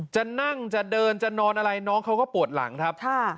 จะนั่งจะเดินจะนอนอะไรน้องเขาก็ปวดหลังครับ